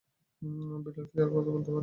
বিড়াল কি আর কথা বলতে পারে?